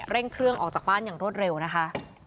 เร่งเครื่องออกจากบ้านอย่างรวดเร็วนะคะ